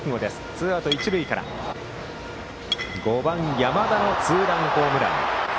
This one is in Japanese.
ツーアウト、一塁から５番、山田のツーランホームラン。